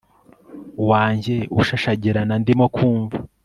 wanjye ushahagirana ndimo kumva